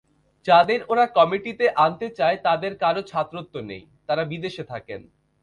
যাঁদের ওরা কমিটিতে আনতে চায় তাঁদের কারও ছাত্রত্ব নেই, তাঁরা বিদেশে থাকেন।